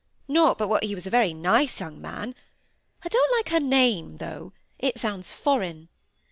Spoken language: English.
Not but what he was a very nice young man! I don't like her name, though; it sounds foreign.